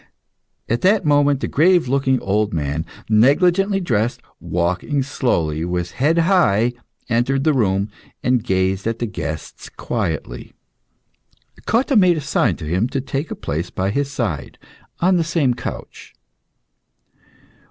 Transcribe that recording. At that moment, a grave looking old man, negligently dressed, walking slowly, with his head high, entered the room, and gazed at the guests quietly. Cotta made a sign to him to take a place by his side, on the same couch.